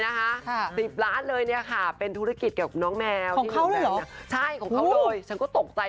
อันนี้ตรงรงเป็นแฟนเป็นสามี